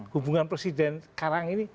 hubungan presiden sekarang ini